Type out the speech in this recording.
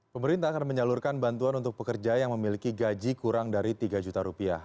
pemerintah akan menyalurkan bantuan untuk pekerja yang memiliki gaji kurang dari tiga juta rupiah